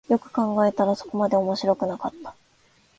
よく考えたらそこまで面白くなかった